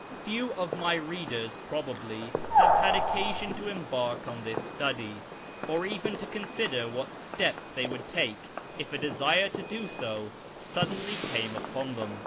Few of my readers, probably, have had occasion to embark on this study, or even to consider what steps they would take if a desire to do so suddenly came upon them.